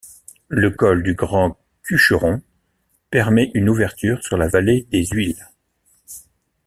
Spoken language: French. Le col du Grand Cucheron permet une ouverture sur la vallée des Huiles.